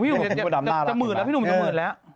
พี่หนุ่มจะหมื่นแล้ว